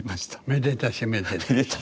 めでたしめでたし。